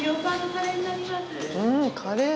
カレー？